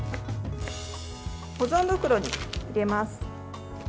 保存袋に入れます。